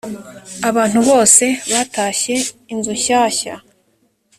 abantu bose batashye i inzu nshyashya.